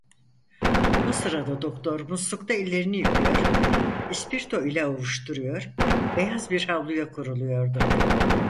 Bu sırada doktor muslukta ellerini yıkıyor, ispirto ile ovuşturuyor, beyaz bir havluya kuruluyordu.